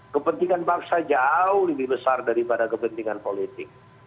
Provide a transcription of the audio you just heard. kepentingan bangsa jauh lebih besar daripada kepentingan politik